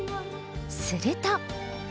すると。